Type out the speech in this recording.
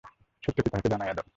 সত্য কি, তাহাকে জানাইয়া দাও।